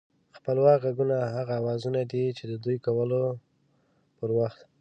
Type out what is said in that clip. خپلواک غږونه هغه اوازونه دي چې د دوی کولو پر وخت